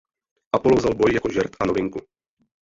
Apollo vzal boj jako žert a novinku.